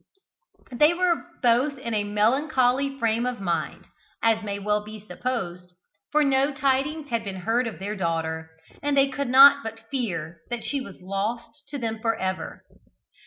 They were both in a melancholy frame of mind, as may well be supposed, for no tidings had been heard of their daughter, and they could not but fear that she was lost to them for ever.